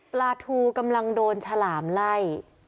ปลาทูกำลังโดนฉลามไล่